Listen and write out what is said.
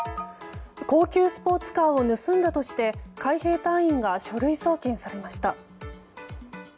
高級スポーツカーを盗んだとして海兵隊員が書類送検されました。